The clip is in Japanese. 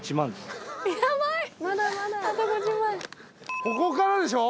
ここからでしょ。